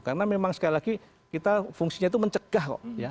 karena memang sekali lagi kita fungsinya itu mencegah kok ya